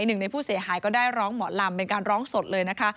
หนึ่งในผู้เสียหายก็ได้ร้องหมอลำเป็นการร้องสดเลยนะคะ